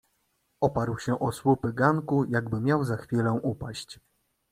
"Oparł się o słupy ganku, jakby miał za chwilę upaść."